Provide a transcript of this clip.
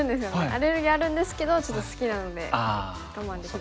アレルギーあるんですけどちょっと好きなので我慢できる。